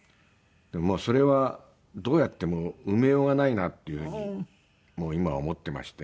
もうそれはどうやっても埋めようがないなという風にもう今は思ってまして。